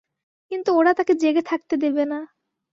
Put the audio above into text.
কিন্তু ওরা তাকে জেগে থাকতে দেবে না।